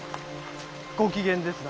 ご機嫌ですな。